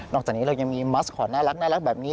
จากนี้เรายังมีมัสคอตน่ารักแบบนี้